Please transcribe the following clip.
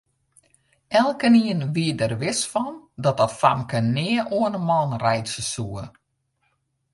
Elkenien wie der wis fan dat dat famke nea oan 'e man reitsje soe.